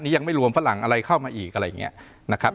ยังไม่รวมฝรั่งอะไรเข้ามาอีกอะไรอย่างนี้นะครับ